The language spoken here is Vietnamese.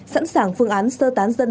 sẵn sàng phương án sơ tán dân